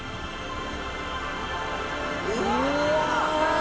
うわ！